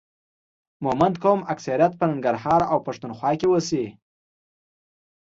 مومند قوم اکثریت په ننګرهار او پښتون خوا کې اوسي